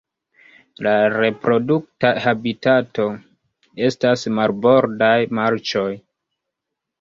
La reprodukta habitato estas marbordaj marĉoj.